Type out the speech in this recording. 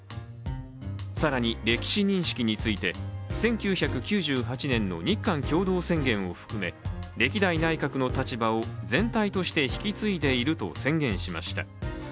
更に歴史認識について１９９８年の日韓共同宣言を含め歴代内閣の立場を全体として引き継いでいると宣言しました。